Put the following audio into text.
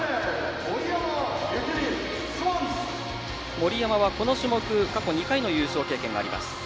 森山はこの種目過去２回の優勝経験があります。